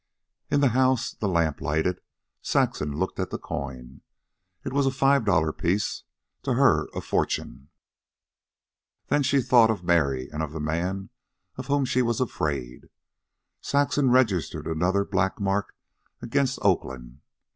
In the house, the lamp lighted, Saxon looked at the coin. It was a five dollar piece to her, a fortune. Then she thought of Mary, and of the man of whom she was afraid. Saxon registered another black mark against Oakland.